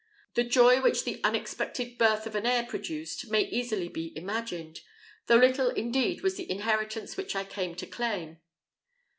The joy which the unexpected birth of an heir produced, may easily be imagined, though little indeed was the inheritance which I came to claim.